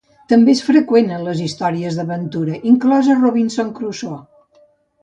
També és freqüent en les històries d'aventura, inclosa Robinson Crusoe.